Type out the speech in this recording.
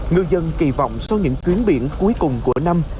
ngư dân kỳ vọng sau những chuyến biển cuối cùng của năm